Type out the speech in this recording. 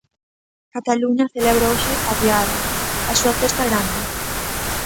Cataluña celebra hoxe a Diada, a súa festa grande.